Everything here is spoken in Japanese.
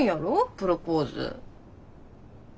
プロポーズ。